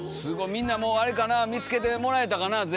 みんなもうあれかなあ見つけてもらえたかな